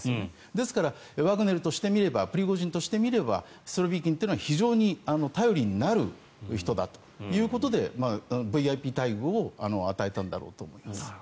ですから、ワグネルとしてみればプリゴジンとしてみればスロビキンというのは非常に頼りになるということでＶＩＰ待遇を与えたんだろうと思います。